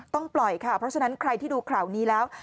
ปล่อยค่ะเพราะฉะนั้นใครที่ดูข่าวนี้แล้ว